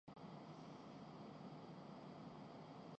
ان کے لیے ہمدردی رکھتا ہوں جو مچھ سے زیادہ برے حال میں ہیں